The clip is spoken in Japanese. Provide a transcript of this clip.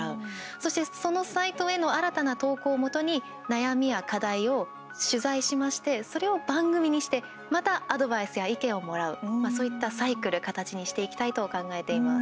そして、そのサイトへの新たな投稿をもとに悩みや課題を取材しましてそれを番組にしてまたアドバイスや意見をもらうそういったサイクル形にしていきたいと考えています。